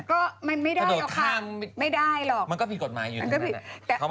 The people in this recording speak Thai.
ก็ไม่ได้นะคะไม่ได้หรอกไหนนี่ใช่ไหม